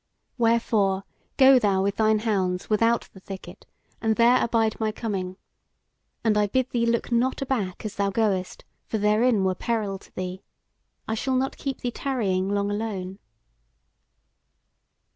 Wherefore, go thou with thine hounds without the thicket and there abide my coming. And I bid thee look not aback as thou goest, for therein were peril to thee: I shall not keep thee tarrying long alone."